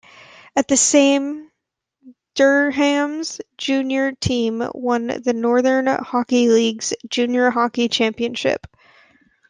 At the same, Durham's junior team won the Northern Hockey League's junior hockey championship.